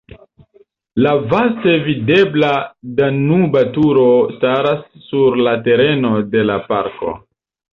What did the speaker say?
La vaste videbla Danuba Turo staras sur la tereno de la parko.